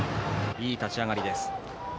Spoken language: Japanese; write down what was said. いい立ち上がりです。